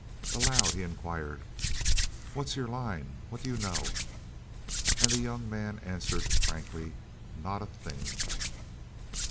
Aloud he inquired: "What's your line? What do you know?" And the young man answered frankly: "Not a thing!"